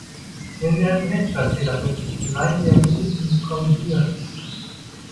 Wenn Sie einen Rechtschreibfehler finden, seien Sie ermutigt, ihn zu korrigieren.